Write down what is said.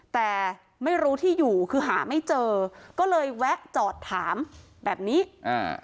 แต่ไม่รู้ที่อยู่คือหาไม่เจอก็เลยแวะจอดถามแบบนี้อ่า